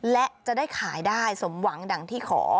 และจะได้ขายได้สมหวังดังที่ขอ